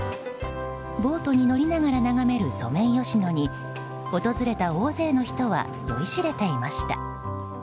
ボートに乗りながら眺めるソメイヨシノに訪れた大勢の人は酔いしれていました。